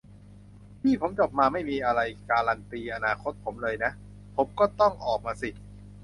'พี่ ผมจบมา ไม่มีอะไรการันตีอนาคตผมเลยนะ ผมก็ต้องออกมาสิ'